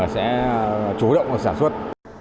sẽ chú động vào sản xuất